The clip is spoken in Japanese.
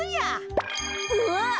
うわっ。